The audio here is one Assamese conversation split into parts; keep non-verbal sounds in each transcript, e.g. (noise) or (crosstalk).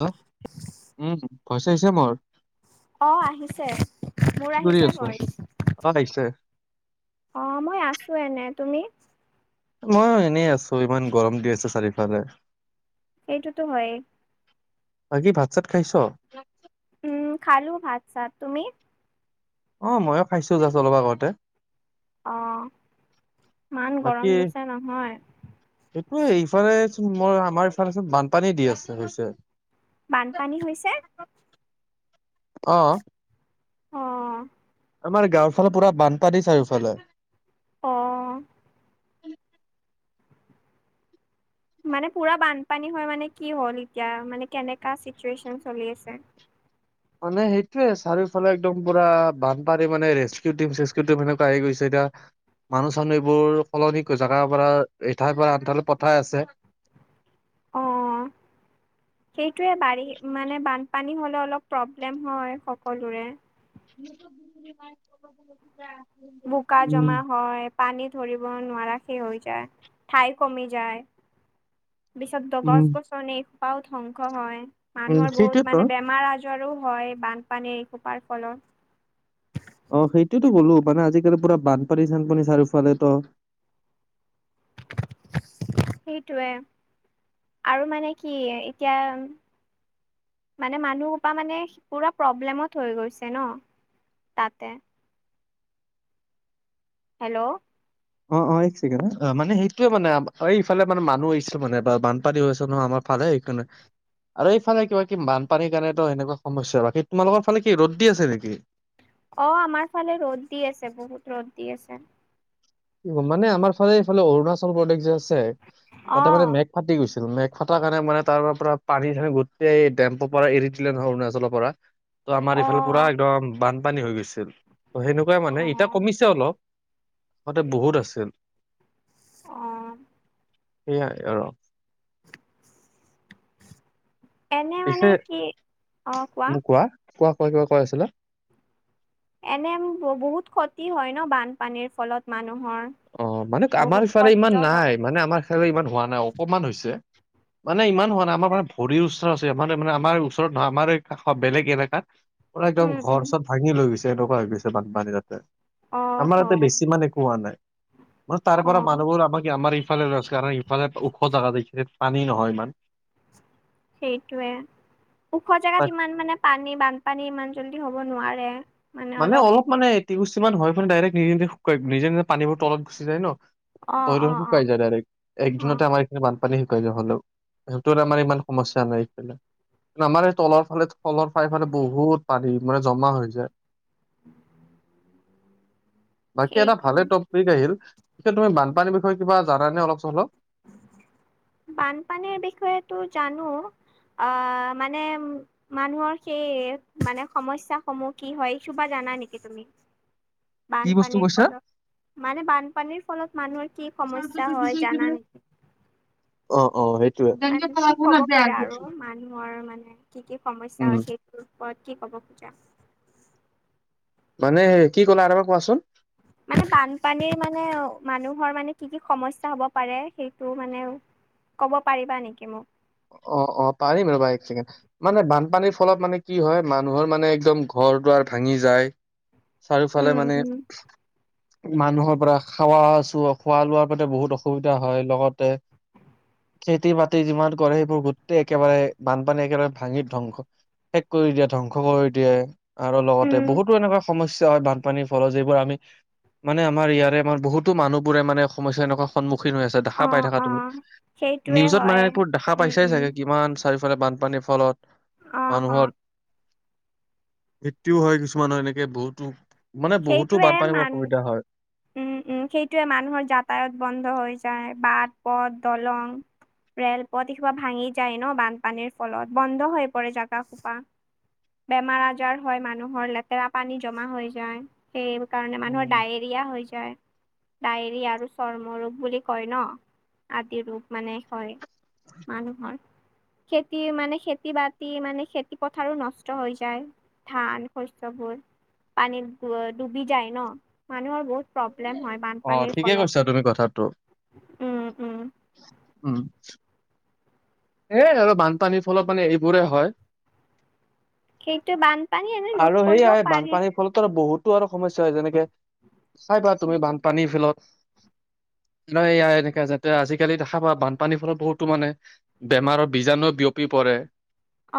হেল্ল'! উম, ভইচ আহিছে মোৰ? অ', আহিছে। মোৰ কি কৰি আহিছে আছ? ভইচ? অ', আহিছে। অ', মই আছো এনে। তুমি? মই এনেই আছো। ইমান গৰম দি আছে চাৰিওফালে। সেইটোতো হয়েই। বাকী ভাত-চাত খাইছ? উম, খালো ভাত-চাত। তুমি? অ', ময়ো খাইছোঁ জাষ্ট অলপ আগতে। অ', ইমান গৰম দিছে নহয়! এইটোয়ে, ইফালে চোন মই আমাৰ ফালে চোন বানপানী দি আছে হৈছে। বানপানী হৈছে? অ'। অ'। আমাৰ গাঁওৰ ফালে পুৰা বানপানী চাৰিওফালে। অ'। মানে পুৰা বানপানী হয়, মানে কি হ'ল এতিয়া মানে কেনেকা চিটুৱেচন চলি আছে? মানে সেইটোয়ে চাৰিওফালে একদম পুৰা বানপাৰী মানে ৰেচকিউটীম চেছকিউটীম আহি গৈছে এতিয়া মানুহ চানুহ এইবোৰ সলনি জেগাৰ পৰা এঠাইৰ পৰা আন ঠাইলৈ পঠাই আছে। অহ। সেইটোয়ে বাৰী মানে বানপানী হ'লে অলপ প্ৰব্লেম হয়, সকলোৰে। (inaudible) বোকা উম জমা হয়, পানী ধৰিব নোৱাৰাখেই হৈ যায় ঠাই কমি যায়। পিছত গছ উম গছনি খোপাও ধ্বংস হয়, উম মানুহৰ বহুত সেইটোয়েতো মানে বেমাৰ আজাৰ ৰো হয়, বানপানীৰ এই খোপাৰ ফলত। অ', সেইটোয়েতো ক'লো মানে আজিকালি পুৰা বানপানী চানপানী চাৰিওফালে ত' সেইটোৱে, আৰু মানে কি এতিয়া মানে মানুহ সোপা মানে পুৰা প্ৰব্লেমত হৈ গৈছে ন তাতে। হেল্ল'! অ', অ', এক ছেকেণ্ড। মানে সেইটোয়ে মানে, এইফালে মানে মানুহ আহিছে মানে বা বানপানী হৈ আছে নহ আমাৰ পালে এই কাৰনে আৰু এইফালে কিবা কি বানপানীৰ কাৰণেটো সেনেকুৱা সমস্যা, বাকী তোমালোকৰ ফালে কি ৰ'দ দি আছে নেকি? অ', আমাৰ ফালে ৰ'দ দি আছে, বহুত ৰ'দ দি আছে। মানে আমাৰ ফালে এইফালে অৰুণাচল প্ৰদেশ যে আছে, অ তাতে মানে মে ফাটি গৈছিল, মেঘ ফটাৰ কাৰণে মানে তাৰ পৰা পানী চানী গোটেই এই টেম্পৰ পৰা এৰি দিলে নহয় অৰুণাচলৰ পৰা। ত' আমাৰ অ এইফালে পুৰা একদম বানপানী হৈ গৈছিল, ত' সেনেকুৱাই অ মানে এতিয়া কমিছে অলপ। আগতে বহুত আছিল। অ'। সেয়াই আৰু। এনে মানে পিছে কি, অ', কোৱা। কোৱা, কোৱা কিবা কৈ আছিলা? এনে বহুত ক্ষতি হয়, ন বানপানীৰ ফলত মানুহৰ। অ', মানে আমাৰ বহুত ইফালে কষ্ট ইমান হয় নাই, মানে আমাৰ (unintelligible) ইমান হোৱা নাই অকমান হৈছে। মানে ইমান হোৱা নাই, আমাৰ মানে ভৰিৰ ওচৰত আছে, আমাৰ মানে আমাৰ ওচৰত নহয়, আমাৰ কাষৰ বেলেগ এলেকাত পৰা একদম উম উম ঘৰ চব ভাঙি লৈ গৈছে এনেকুৱা হৈ গৈছে বানপানী তাতে। অ আমাৰ তাতে হ বেছি মানে একো হোৱা নাই। মান তাৰ পৰা অ', মানুহবোৰ আমাক আমাৰ ইফালে ৰৈ আছে কাৰণ ইফালে ওখ জেগা যে এই খিনিত পানী নহয় ইমান। সেইটোৱে। ওখ জোগাত তাত ইমান মানে পানী বানপানী ইমান জল্দি হ'ব নোৱাৰে। মানে অলপ মানে (unintelligible) হয়, মানে ডাইৰেক্ট নিজে-নিজে শুকাই নিজে, নিজে পানীবোৰ তলত গুচি যায় ন! অ', (unintelligible) অ', অ'। শুকাই যায় ডাইৰেক্ট, একদিনতে অ', আমাৰ বানপানী শুকাই যায় হ'লেও, সেইটোত আমাৰ ইমান সমস্যা নাই এইফালে। আমাৰ এই তলৰ ফালে তলৰ ফাইফালে বহুত পানী মানে জমা হৈ যায়। (inaudible) বাকী এটা ভালে টপিক আহিল, তুমি বানপানীৰ বিষয়ে কিবা জানানে অলপ চলপ? (inaudible) বানপানীৰ বিষয়েটো জানো, আ, মানে মানুহৰ সেই মানে সমস্যা সমূহ কি হয়, এইসোপা জানা নেকি তুমি? কি বস্তু বানপানীৰ কৈছা ফলত, মানে বানপানীৰ ফলত মানুহৰ কি সমস্যা হয় জানা নেকি? অ', অ', সেইটোয়ে, মানে কি ক'ব খোজা আৰু মানুহৰ মানে কি কি সমস্যা উম হয় সেই তোৰ ওপৰত কি ক'ব খোজা? মানে হে কি ক'লা আৰু এবাৰ কোৱাচোন। মানে বানপানীৰ মানে, মানুহৰ মানে কি কি সমস্যা হব পাৰে, সেইটো মানে ক'ব পাৰিবা নেকি মোক? অ' অ' পাৰিম ৰ'বা এক ছেকেণ্ড, মানে বানপানীৰ ফলত মানে কি হয়, মানুহৰ মানে একদম ঘৰ দুৱাৰ ভাঙি যায়, চাৰিওফালে উম মানে উম। মানুহৰ পৰা খাৱা চু খোৱা লোৱাৰ মানে বহুত অসুবিধা হয়। লগতে খেতি বাতি যিমান কৰে সেইবোৰ গোটেই একেবাৰে বানপানীয়ে একেবাৰে ভাঙি ধ্বংস শেষ কৰি দিয়ে, ধ্বংস কৰি দিয়ে, আৰু লগতে উম বহুতো এনেকুৱা সমস্যা হয় তাত। পানীৰ ফলত যিবোৰ আমি, মানে আমাৰ ইয়াৰে মোৰ বহুতো মানুহবোৰে মানে সমস্যা এনেকুৱা সন্মুখীন হৈ আছে। দেখা অ পাই থাকা অ তুমি, সেইটোৱে নিউজত মানে হয় এইবোৰ দেখা উম পাইছাই উম চাগে কিমান চাৰিওফালে বানপানীৰ ফলত অ - অ। মানুহৰ। ভিত্তিও হয় কিছুমানৰ এনেকে বহুতো, মানে বহুতো সেইটোৱে বানপানীৰ পৰা মান অসুবিধা হয়। উম উম সেইটোৱে, মানুহৰ যাতায়ত বন্ধ হৈ যায়, বাট, পথ, দলং। ৰেলপথ এইসোপা ভাঙি যায় ন' বানপানীৰ ফলত, বন্ধ হৈ পৰে জাগাসোপা। বেমাৰ আজাৰ হয় মানুহৰ, লেতেৰা পানী জমা হৈ যায়, সেই কাৰণে উম মানুহৰ ডায়েৰ। ৰীয়া হৈ যায়। ডায়েৰী আৰু চৰ্ম ৰোগ বুলি কয় ন', আদি ৰোগ মানে হয়। মানুহৰ। খেতিৰ, মানে খেতি-বাতি, মানে খেতি পথাৰো নষ্ট হৈ যায়। ধান শস্যবোৰ। পানীত ড ডুবি যায় ন', মানুহৰ বহুত প্ৰব্লেম হয় অ বানপানীৰ ঠিকে ফলত, কৈছা তুমি কথাটো উম, উম। উম। এ আৰু বানপানীৰ ফলত মানে এইবোৰে হয়। সেইটো, বানপানী এনে ৰোধ কৰিব পাৰি। ফলত আৰু বহুতো আৰু সমস্যা হয় যেনেকে- চাই পা তুমি বানপানীৰ ফলত। নহয় এয়া এনেকা যাতে, আজিকালি দেখা পোৱা বানপানীৰ ফলত বহুতো মানে বেমাৰৰ বীজাণুও বিয়পি পৰে।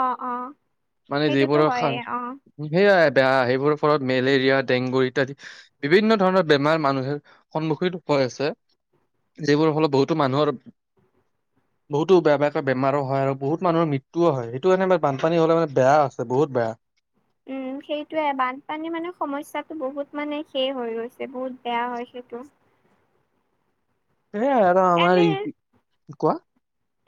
অ', অ', সেইটোতো হয়েই অ'। সেইয়াই বেয়া, সেইবোৰৰ ফলত মেলেৰিয়া, ডেংগু ইত্যাদি। বিভিন্ন ধৰণৰ বেমাৰ মানুহে, সন্মুখীন হৈ আছে, যিবোৰ ফলত বহুতো মানুহৰ বহুতো বেয়া বেয়াকৈ বেমাৰো হয় আৰু বহুত মানুহৰ মৃত্যুও হয়, সেইটো কাৰণে বানপানী হ'লে মানে বেয়া আছে বহুত বেয়া। উম, সেইটোয়ে বানপানী মানে সমস্যাটো বহুত মানে শে হৈ গৈছে বহুত বেয়া হয় সেইটো। এ আৰু আমাৰ এনে ই কোৱা।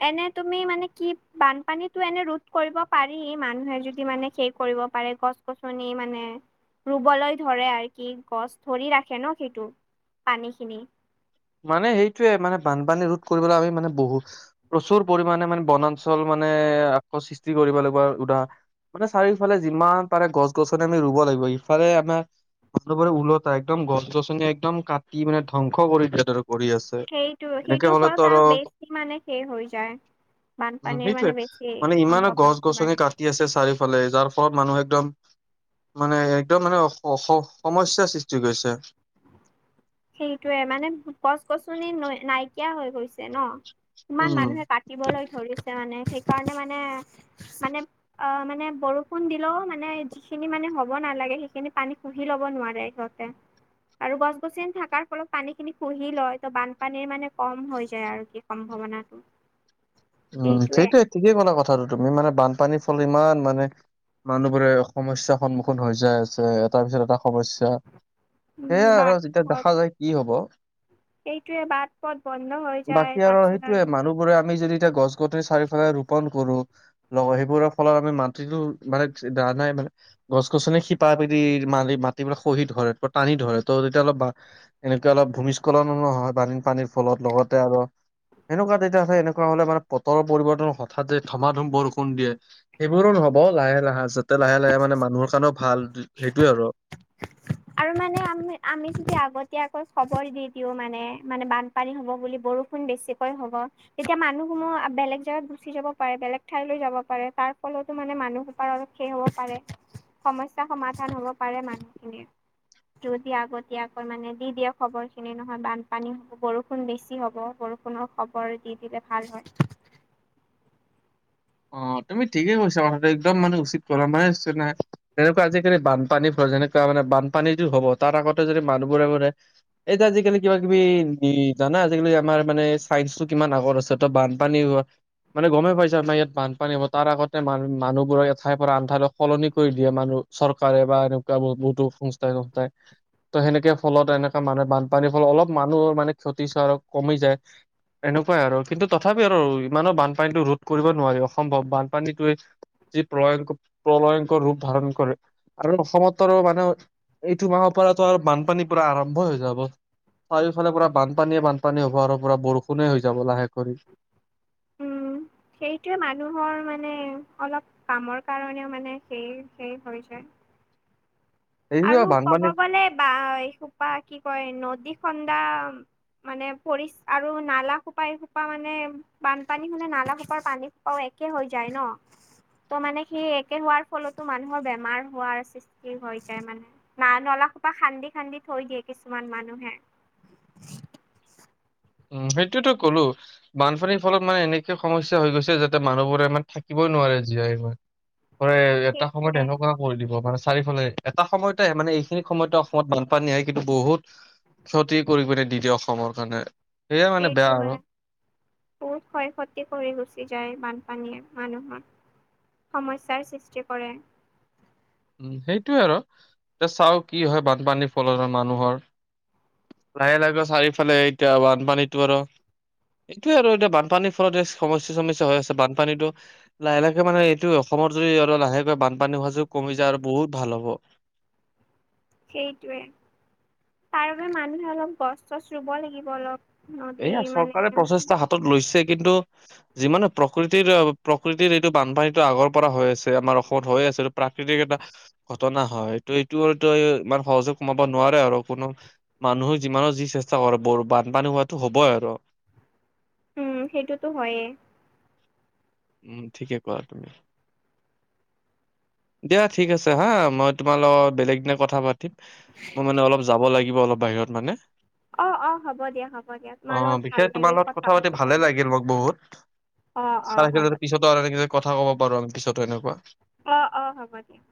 এনে তুমি মানে কি বানপানীতো এনে ৰোধ কৰিব পাৰি, মানুহে যদি মানে সেই কৰিব পাৰে গছ, গছনি মানে ৰুবলৈ ধৰে আৰু কি গছ ধৰি ৰাখে ন' সেইটো। পানী খিনি। মানে সেইটোয়ে, মানে বানপানী ৰোধ কৰিবলৈ আমি মানে বহুত প্ৰচুৰ পৰিমাণে মানে বনাঞ্চল মানে আকৌ সৃষ্টি কৰিব লাগিব উদা মানে চাৰিও ইফালে যিমান পাৰে গছ-গছনি আমি ৰুব লাগিব, ইফালে আমাৰ, একেবাৰে উলটা একদম গছ-গছনি একদম কাটি মানে ধ্বংস কৰি দিয়ে আৰু কৰি আছে। সেইটো এনেকে সেইটোৰ হলেতো ফলত আৰু বেছি মানে শেষ হৈ যায়। উম বানপানীৰ মানে বেছি, সম্ভাৱনাটো বাঢ়ি কি আছে চাৰিওফালে যাৰ ফলত মানুহ একদম। মানে একদম মানে স সমস্যাৰ সৃষ্টি কৰিছে। সেইটোয়ে মানে গছ-গছনি ন‌ই নাইকিয়া হৈ গৈছে ন' ইমান উম মানুহে কাটি টিবলৈ ধৰিছে মানে সেইকাৰণে মানে মানে। অ' মানে বৰষুণ দিলেও মানে যিখিনি মানে হ'ব নালাগে, সেইখিনি পানী শুহি ল'ব নোৱাৰে। যতে আৰু গছ। গছনি থকাৰ ফলত পানী খিনি শুহি লয় ত' বানপানীৰ মানে কম হৈ যায় আৰু কি সম্ভাৱনাটো। উম, সেইটোৱে সেইটোয়ে ঠিকেই কলা কথাটো তুমি মানে বানপানীৰ ফলত ইমান মানে। মানুহবোৰে সমস্যা সন্মুখীন হৈ যাই আছে এটাৰ পিছত এটা সমস্যা। উম সেইয়াই আৰু বাট যেতিয়া পথ দেখা যায় কি হ'ব। সেইটোৱে বাট পথ বন্ধ হৈ যায় বাকী আৰু তাৰপিছত সেইটোয়ে মানুহবোৰে আমি যদি। এতিয়া গছ-গোটে চাৰিফালে ৰোপন কৰো। লগৰি বোৰৰ ফলত আমি মাটিটো মানে ধাৰণা নাই মানে গছ গছনি শিপা মেলি মাটিবিলাক খহি ধৰে টানি ধৰে ত তেতিয়া অলপ। এনেকে অলপ ভূমিস্খলনো হয় বানন পানীৰ ফলত লগতে আৰু সেনেকুৱা তেতিয়া আছে এনেকুৱা। হ'লে মানে বতৰৰ পৰিৱৰ্তন হঠাৎ তে ধমা ধূম বৰষুণ দিয়ে সেইবোৰো নহ'ব লাহে লাহে যা। লাহে লাহে মানে মানুহৰ কাৰণে ভাল সেইটোয়ে আৰু। আৰু মানে আমি আমি যদি আগত আকৌ খবৰ দি দিওঁ মানে মানে বান পানী হ'ব বুলি বৰষুণ বেছিকৈ হ'ব। তেতিয়া মানুহসমূহ বেলেগ জাগগাত গুচি যাব পাৰে, বেলেগ ঠাইলৈ যাব পাৰে, তাৰ ফলতো মানে মানুহ কৰণ শেষ হ'ব পাৰে সমস্যা সমাধান হ'ব পাৰে মানুহখিনিৰ। আগতীয়াকৈ মানে দি দিয়ক খবৰ খিনি নহয় বানপানী হ'ব বৰষুণ বেছি হ'ব, বৰষুণ পুনৰ খবৰ দি দিলে ভাল হয়। অ' তুমি ঠিকেই কৈছা কথাটো একদম মানে উচিত কথা মানে নে তেনেকুৱা আজিকালি বানপানী প্ৰজন্নতা যেনেকুৱা মানে বানপানী যদি হ'ব তাৰ আগতে যদি মানুহবোৰে মানে এই যেআজিকালি কিবা কিবি জানা আজিকালি আমাৰ মানে চাইন্সটো কিমান আগৰ আছে ত বানপানী মানে গমে পাইছা আমাৰ ইয়াত। বানপানী হ'ব তাৰ আগতে মান মানুহবোৰক এঠাইৰ পৰা আন ঠাইলৈ সলনি কৰি দিয়ে মানুহ চৰকাৰে বা এনে বহুতো সংস্থাই, সংস্থাই। তো, সেনেকে ফলত এনেকা মানুহে বানপানীৰ ফলত অলপ মানুহৰ মানে ক্ষতি চোৰা আৰু কমি যায়। এনেকুৱাই আৰু কিন্তু তথাপি আৰু ইমানো বানপানীতটো ৰোধ কৰিব নোৱাৰি। অসম্ভৱ বানপানীটোৱে যি প্ৰলয়ংকৰ প্ৰলয়ংকৰ ৰূপ ধাৰণ কৰে আৰু অসমত আৰু মানে এইটো মাহৰ পৰাতো আৰু বানপানী পোৰা আৰম্ভই হৈ যাব। চাৰিওফালে পুৰা বানপানীয়ে বানপানীয়ে হ'ব আৰু পোৰা বৰষুণে হৈ যাব লাহে কৰি। উম সেইটোৱে মানুহৰ মানে অলপ কামৰ কাৰণেও মানে সেই সেই হৈ যায়। এইটো আৰু ক'ব বানপানী গ'লে বা এই খোপা কি কয় নদী খন্দা। মানে পৰিচ আৰু নালা সোপা এসোপা মানে বানপানী হ'লে নালা খোপাৰ পানী অ' একে হৈ যায় ন। তো, মানে সি একে হোৱাৰ ফলতো মানুহৰ বেমাৰ হোৱাৰ সৃষ্টি হয়। মানে না নলা সোপা খান্দি খান্দি থৈ দিয়ে কিছুমান মানুহে। উম, সেইটোয়েতো কলো। বানফনীৰ ফলত মানে এনেকে সমস্যা হৈ গৈছে যাতে মানুহবোৰে ইমানে থাকিবই নোৱাৰে জীয়াই কৰে এটা সময়ত সেইটোৱে এনেকুৱা কৰি দিব মানে চাৰিওফালে এটা সময়তে মানে সেই খিনি সময়তো অসমত বানপানী আহে, কিন্তু বহুত ক্ষতি কৰি পিনে দি দিয়ে অসমৰ কাৰণে। সেয়ে মানে এইটো বেয়া আৰু হয়। বহুত ক্ষয় ক্ষতি কৰি গুচি যায় বানপানীয়ে মানুহৰ। সমস্যাৰ সৃষ্টি কৰে। উম, সেইটোয়ে আৰু এতিয়া চাওঁ কি হয় বানপানীৰ ফলৰত মানুহৰ। লাহে, লাহে, চাৰিওফালে এতিয়া বানপানীতো আৰু এইটোয়ে আৰু এতিয়া বানপানীৰ ফলত সমস্যা চমস্যা হৈ আছে, বানপানীতো। লাহে লাহকে মানে এইটো অসমত যদি আৰু লাহেকে বানপানী হোৱাযোগ কমি যায় আৰু বহুত ভাল হব। সেইটোৱে তাৰ বাবে মানুহে অলপ গছ চছ ৰুব লাগিব অলপ। নদী এইয়া মানে চৰকাৰে প্ৰচেষ্টা হাতত লৈছে কিন্তু যিমানে প্ৰকৃতিৰ প্ৰকৃতিৰ এইটো বানপানীটো আগৰ পৰা হৈ আছে আমাৰ অসমত হৈ আছে। প্ৰাকৃতিক এটা ঘটনা হয় ত এইটোতো ইাৰ সহযোগ কমাব নোৱাৰে আৰু কোনো মানুহৰ যিমানৰ যি চেষ্টা কৰে বৰ বানপানী হোৱাতো হ'বই আৰু। উম, সেইটোতো হয়েই। উম, ঠিকে কৰা তুমি। দিয়া ঠিক আছে হা মই তোমাৰ লগত বেলেগ দিনা কথা পাতিম। মই মানে অলপ যাব লাগিব অলপ বাহিৰত মানে। অ অ হ'ব দিয়া হ'ব দিয়া তোমাৰ আহ লগত ভাল বিশেষ তোমাৰ লাগিল লগত কথা পাতি ভালে কেনে। লাগিল মোক বহুত। অ অ হ'ব চাৰে পিত আৰু এনে কব পাৰো আমি পিছতো এনেকুৱা। অ', অ', হ'ব দিয়া।